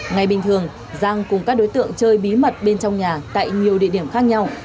ngày bình thường giang cùng các đối tượng chơi bí mật bên trong nhà tại nhiều địa điểm khác nhau